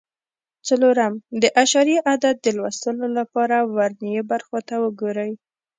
څلورم: د اعشاري عدد د لوستلو لپاره ورنیي برخو ته وګورئ.